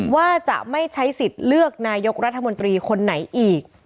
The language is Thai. ว่าจะไม่ใช้สิทธิ์เลือกนายกรัฐมนตรีคนไหนอีก